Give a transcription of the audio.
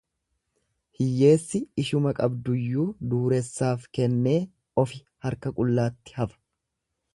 Hiyyeessi ishuma qabduyyuu dureessaaf kennee ofi harka qullaatti hafa.